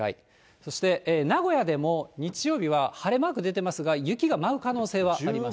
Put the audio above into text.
そして名古屋でも、日曜日は晴れマーク出てますが、雪が舞う可能性はあります。